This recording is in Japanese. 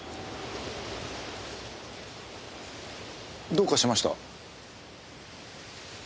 どうかしました？